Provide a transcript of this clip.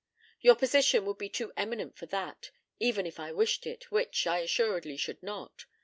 "Your position would be too eminent for that, even if I wished it, which I assuredly should not.